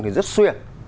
thì rất xuyệt